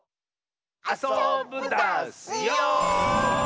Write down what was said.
あそぶダスよ！